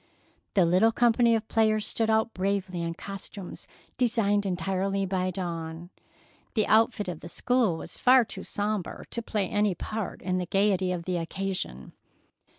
The little company of players stood out bravely in costumes designed entirely by Dawn. The outfit of the school was far too sombre to play any part in the gaiety of the occasion.